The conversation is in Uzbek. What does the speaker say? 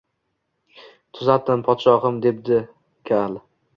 Тuzatdim, podshohim, debdi kal